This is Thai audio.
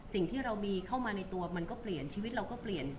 สิ่งที่เรามีเข้ามาในตัวมันก็เปลี่ยนชีวิตเราก็เปลี่ยน